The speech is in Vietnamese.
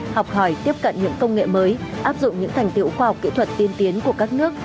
học hỏi tiếp cận những công nghệ mới áp dụng những thành tiệu khoa học kỹ thuật tiên tiến của các nước